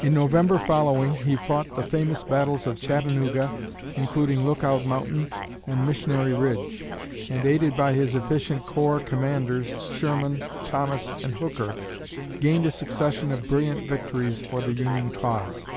In November following he fought the famous battles of Chattanooga, including Lookout Mountain and Missionary Ridge; and, aided by his efficient corps commanders, Sherman, Thomas, and Hooker, gained a succession of brilliant victories for the Union cause.